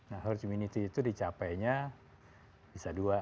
nah herd immunity itu dicapainya bisa dua